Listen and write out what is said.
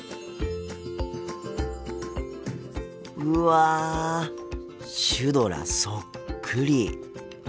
うわシュドラそっくり！